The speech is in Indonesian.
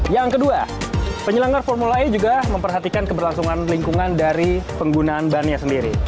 yang kedua penyelenggara formula e juga memperhatikan keberlangsungan lingkungan dari penggunaan bannya sendiri